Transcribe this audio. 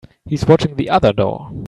He's watching the other door.